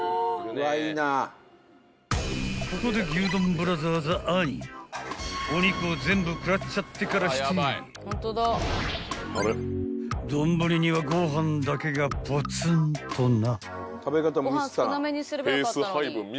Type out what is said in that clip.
［ここで牛丼ブラザーズ兄お肉を全部食らっちゃってからして丼にはご飯だけがぽつんとな］